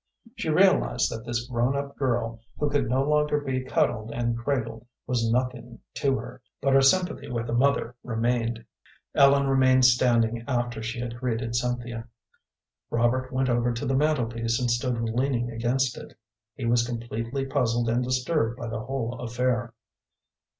She realized that this grown up girl, who could no longer be cuddled and cradled, was nothing to her, but her sympathy with the mother remained. Ellen remained standing after she had greeted Cynthia. Robert went over to the mantle piece and stood leaning against it. He was completely puzzled and disturbed by the whole affair.